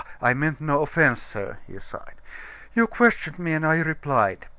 I meant no offense, sir," he sighed. "You questioned me, and I replied.